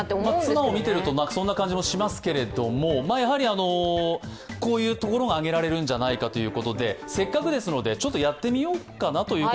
妻を見ているとそんな感じもしますけれど、やはりこういうところが挙げられるんじゃないかということでせっかくですので、ちょっとやってみますね。